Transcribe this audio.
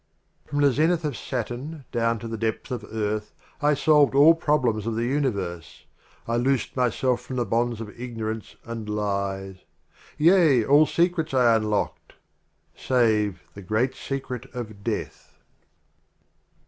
XXXI. From the Zenith of Saturn down to the Depth of Earth I solved all Problems of the Uni verse. I loosed myself from the Bonds of Ignorance and Lies; Yea, all Secrets I unlocked — save the Great Secret of Death.